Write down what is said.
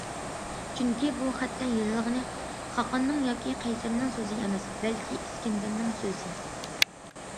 چۈنكى، بۇ خەتتە يېزىلغىنى خاقاننىڭ ياكى قەيسەرنىڭ سۆزى ئەمەس، بەلكى ئىسكەندەرنىڭ سۆزى.